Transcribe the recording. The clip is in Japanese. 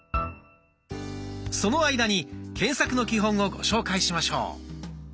その間に検索の基本をご紹介しましょう。